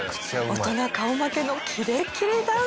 大人顔負けのキレキレダンス。